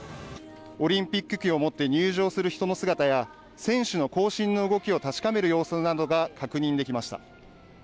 オリンピック旗を持って入場する人の姿や、選手の行進の動きを確かめる様子などが確認できました。